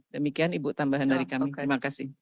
demikian ibu tambahan dari kami terima kasih